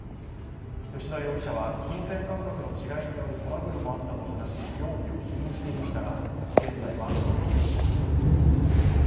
吉田容疑者は金銭感覚の違いによるトラブルもあったと話し、容疑を否認していましたが、現在は黙秘しています。